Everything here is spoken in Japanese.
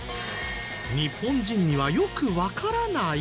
日本人にはよくわからない！？